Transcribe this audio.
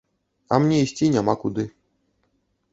А мне ісці няма куды.